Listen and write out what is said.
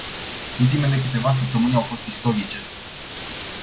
Ultimele câteva săptămâni au fost istorice.